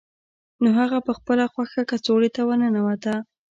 نو هغه په خپله خوښه کڅوړې ته ورننوته